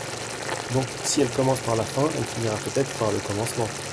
Donc, si elle commence par la fin, elle finira peut-être par le commencement !